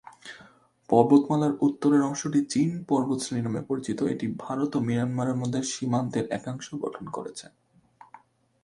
পর্বতমালার উত্তরের অংশটি চিন পর্বতশ্রেণী নামে পরিচিত; এটি ভারত ও মিয়ানমারের মধ্যে সীমান্তের একাংশ গঠন করেছে।